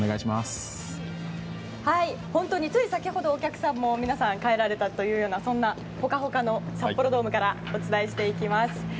本当につい先ほどお客さんも、皆さん帰られたというようなホカホカの札幌ドームからお伝えしていきます。